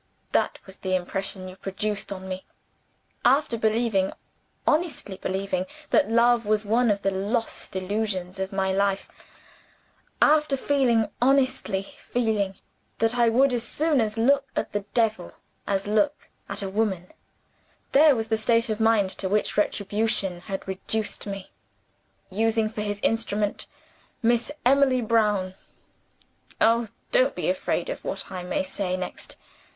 That was the impression you produced on me. After believing, honestly believing, that love was one of the lost illusions of my life after feeling, honestly feeling, that I would as soon look at the devil as look at a woman there was the state of mind to which retribution had reduced me; using for his instrument Miss Emily Brown. Oh, don't be afraid of what I may say next!